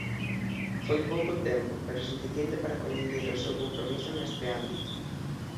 Foi pouco tempo, pero suficiente para coñecer o seu compromiso neste ámbito.